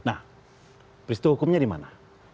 nah peristiwa hukumnya di mana